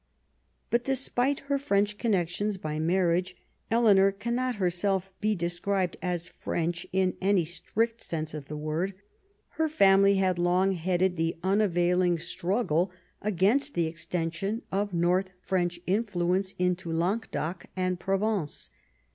But despite her French connections by marriage, Eleanor cannot herself be described as French in any strict sense of the Avord. Her family had long headed the unavailing struggle against the extension of North French influence into Languedoc and Provence.